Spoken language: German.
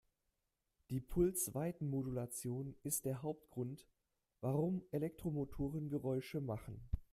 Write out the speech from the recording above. Die Pulsweitenmodulation ist der Hauptgrund, warum Elektromotoren Geräusche machen.